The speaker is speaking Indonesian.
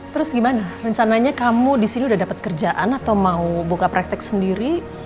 terus gimana rencananya kamu disini udah dapat kerjaan atau mau buka praktek sendiri